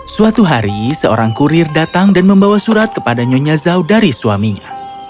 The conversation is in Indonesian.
suatu hari seorang kurir datang dan membawa surat kepada nyonya zau dari suaminya